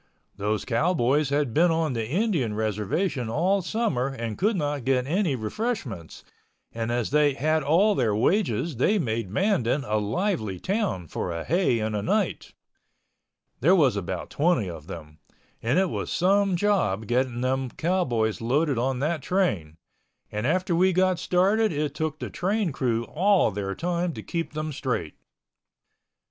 Those cowboys had been on the Indian reservation all summer and could not get any refreshments, and as they had all their wages they made Mandan a lively town for a Hay and a night. There was about twenty of them, and it was some job getting them cowboys loaded on that train, and after we got started it took the train crew all their time to keep them straight.